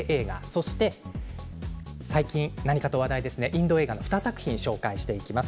そして最近何かと話題ですねインド映画２作品ご紹介していきます。